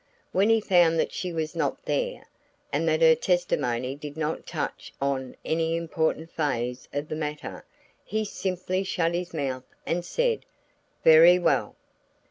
When he found that she was not there, and that her testimony did not touch on any important phase of the matter, he simply shut his mouth and said, 'Very well!